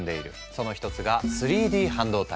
その一つが３Ｄ半導体。